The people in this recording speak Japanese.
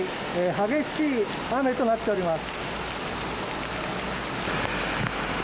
激しい雨となっています。